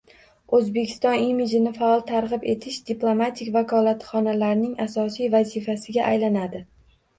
O‘zbekiston imijini faol targ‘ib etish diplomatik vakolatxonalarning asosiy vazifasiga aylanadi.